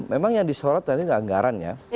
memang yang disorot tadi anggarannya